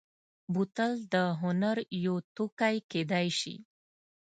بوتل د هنر یو توکی کېدای شي.